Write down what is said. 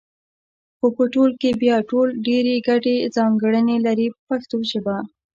خو په ټول کې بیا ټول ډېرې ګډې ځانګړنې لري په پښتو ژبه.